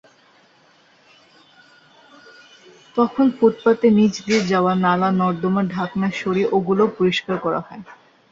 তখন ফুটপাতের নিচ দিয়ে যাওয়া নালা-নর্দমার ঢাকনা সরিয়ে ওগুলোও পরিষ্কার করা হয়।